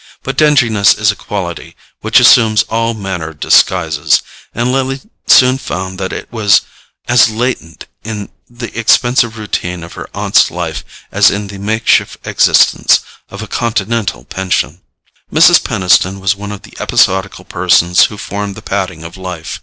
But dinginess is a quality which assumes all manner of disguises; and Lily soon found that it was as latent in the expensive routine of her aunt's life as in the makeshift existence of a continental pension. Mrs. Peniston was one of the episodical persons who form the padding of life.